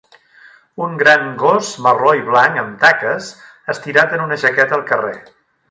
Un gran gos marró i blanc amb taques, estirat en un jaqueta al carrer